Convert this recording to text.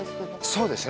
そうですね。